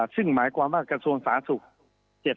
ซึ่งหมายความว่ากระทรวงสาธารณสุข